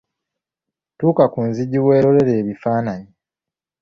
Tuuka ku nzigi weelolere ebifaananyi.